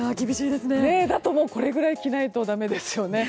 これくらい着ないとだめですよね。